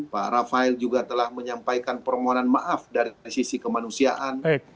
pak rafael juga telah menyampaikan permohonan maaf dari sisi kemanusiaan